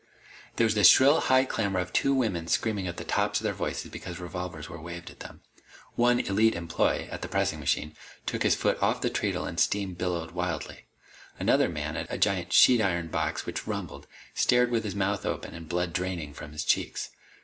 There was the shrill high clamor of two women screaming at the tops of their voices because revolvers were waved at them. One Elite employee, at the pressing machine, took his foot off the treadle and steam billowed wildly. Another man, at a giant sheet iron box which rumbled, stared with his mouth open and blood draining from his cheeks.